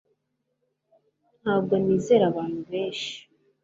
Ntabwo nizera abantu benshi